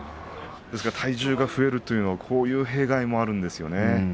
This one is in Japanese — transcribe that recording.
体重が増えるということはこういうこともあるわけですね。